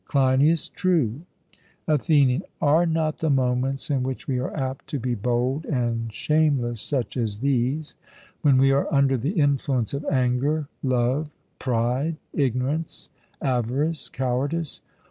CLEINIAS: True. ATHENIAN: Are not the moments in which we are apt to be bold and shameless such as these? when we are under the influence of anger, love, pride, ignorance, avarice, cowardice?